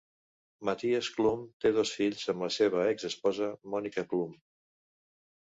Mattias Klum té dos fills amb la seva expesposa Monika Klum.